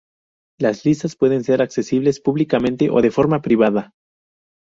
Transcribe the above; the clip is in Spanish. Las listas pueden ser accesibles públicamente o de forma privada.